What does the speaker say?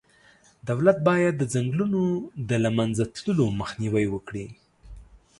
دولت باید د ځنګلونو د له منځه تللو مخنیوی وکړي.